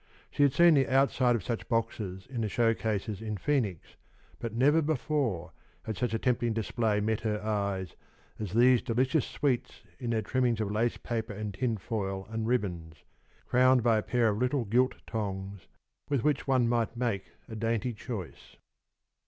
She had seen the outside of such boxes in the show cases in Phoenix, but never before had such a tempting display met her eyes as these delicious sweets in their trimmings of lace paper and tinfoil and ribbons, crowned by a pair of little gilt tongs, with which one might make dainty choice.